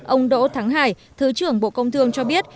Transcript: ông đỗ thắng hải thứ trưởng bộ công thương cho biết